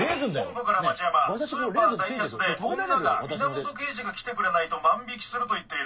本部から町山「スーパー大安」で女が「源刑事が来てくれないと万引する」と言っている。